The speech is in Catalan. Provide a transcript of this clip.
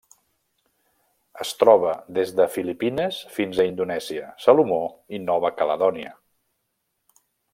Es troba des de Filipines fins a Indonèsia, Salomó i Nova Caledònia.